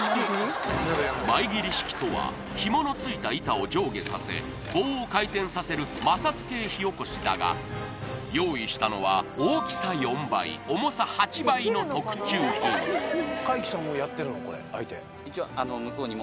マイギリ式とはヒモのついた板を上下させ棒を回転させる摩擦系火おこしだが用意したのは大きさ４倍重さ８倍の特注品おお何？